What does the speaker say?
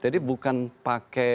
jadi bukan pakai